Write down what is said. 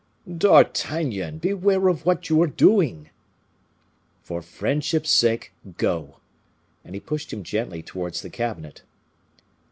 "D'Artagnan, beware of what you are doing!" "For friendship's sake, go!" and he pushed him gently towards the cabinet.